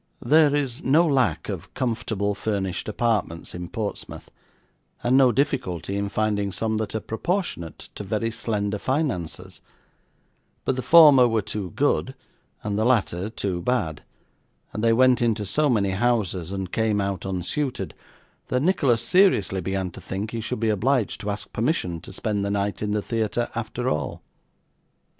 There is no lack of comfortable furnished apartments in Portsmouth, and no difficulty in finding some that are proportionate to very slender finances; but the former were too good, and the latter too bad, and they went into so many houses, and came out unsuited, that Nicholas seriously began to think he should be obliged to ask permission to spend the night in the theatre, after all.